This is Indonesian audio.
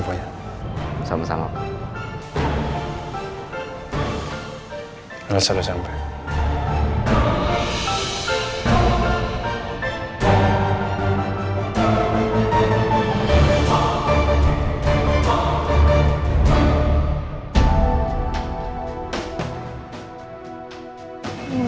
dia bukan pelaku yang berpikir